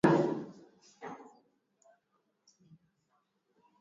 Kuna mimea na wanyama wengine huishi baharini